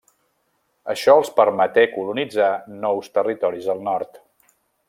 Això els permeté colonitzar nous territoris al Nord.